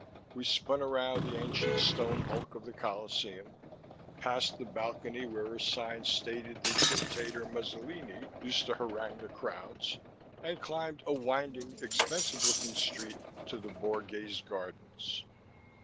We spun around the ancient stone hulk of the Colosseum, passed the balcony where a sign stated the dictator, Mussolini, used to harangue the crowds, and climbed a winding, expensive looking street to the Borghese Gardens.